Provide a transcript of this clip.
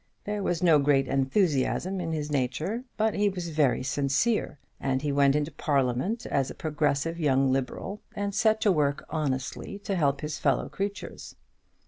There was no great enthusiasm in his nature, but he was very sincere; and he went into Parliament as a progressive young Liberal, and set to work honestly to help his fellow creatures.